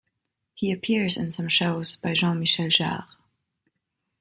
He appears in some shows by Jean Michel Jarre.